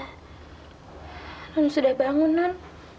nontalitha sudah bangun nont